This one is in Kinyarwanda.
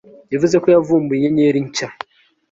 Yavuze ko yavumbuye inyenyeri nshya